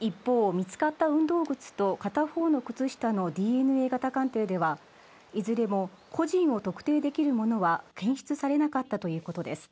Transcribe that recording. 一方、見つかった運動靴と片方の靴下のＤＮＡ型鑑定では、いずれも個人を特定できるものは検出されなかったということです。